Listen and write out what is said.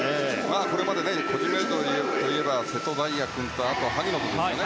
これまで、個人メドレーといえば瀬戸大也君と、萩野君ですよね。